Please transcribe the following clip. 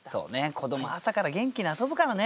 子ども朝から元気に遊ぶからね。